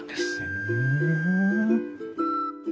ふん。